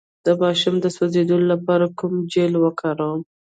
د ماشوم د سوځیدو لپاره کوم جیل وکاروم؟